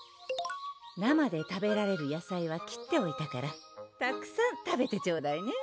生で食べられる野菜は切っておいたからたくさん食べてちょうだいね